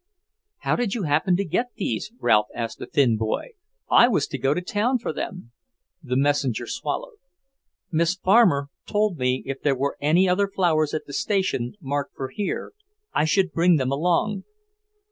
"How did you happen to get these?" Ralph asked the thin boy. "I was to go to town for them." The messenger swallowed. "Miss Farmer told me if there were any other flowers at the station marked for here, I should bring them along."